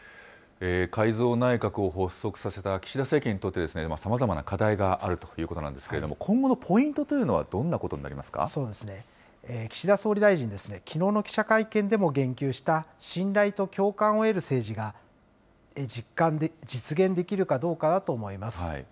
改造内閣を発足させた岸田政権にとって、さまざまな課題があるということなんですけれども、今後のポイントというのはどんな岸田総理大臣、きのうの記者会見でも言及した、信頼と共感を得る政治が実現できるかどうかだと思います。